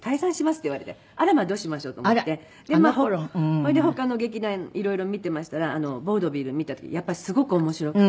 それで他の劇団いろいろ見てましたらヴォードヴィル見た時やっぱりすごく面白くて。